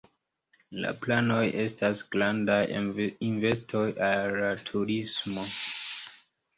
La planoj estas grandaj investoj al la turismo.